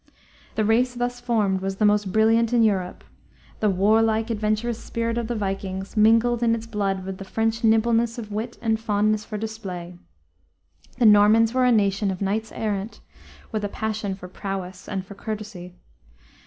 The race thus formed was the most brilliant in Europe. The warlike, adventurous spirit of the vikings mingled in its blood with the French nimbleness of wit and fondness for display. The Normans were a nation of knights errant, with a passion for prowess and for courtesy.